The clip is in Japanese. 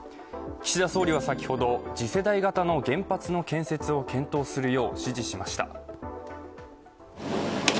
岸田総理は先ほど次世代型の原発の建設を検討するよう指示しました。